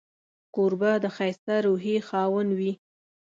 کوربه د ښایسته روحيې خاوند وي.